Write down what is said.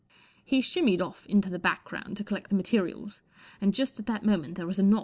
He shimmied off into the background to collect the materials, and just at that moment there was a knock at the door.